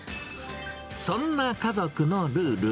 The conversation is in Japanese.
そんな家族のルール。